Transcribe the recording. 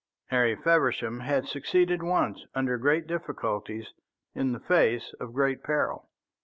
Harry Feversham had succeeded once under great difficulties, in the face of great peril.